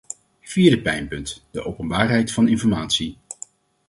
Vierde pijnpunt: de openbaarheid van informatie.